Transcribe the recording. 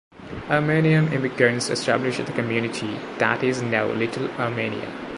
Armenian immigrants established the community that is now Little Armenia.